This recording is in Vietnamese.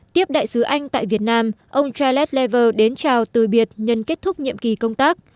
tiếp đại sứ anh tại việt nam ông jalever đến chào từ biệt nhân kết thúc nhiệm kỳ công tác